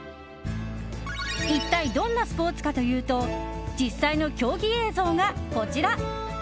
一体どんなスポーツかというと実際の競技映像がこちら。